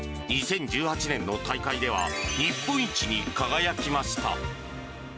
２０１８年の大会では、日本一に輝きました。